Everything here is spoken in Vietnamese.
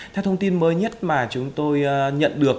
theo thông tin mới nhất mà chúng tôi nhận được